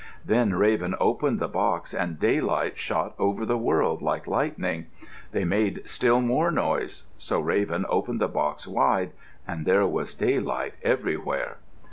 Then Raven opened the box and daylight shot over the world like lightning. They made still more noise. So Raven opened the box wide and there was daylight everywhere.